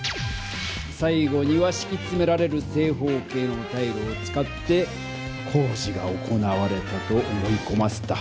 さい後にはしきつめられる正方形のタイルを使って工事が行われたと思いこませた。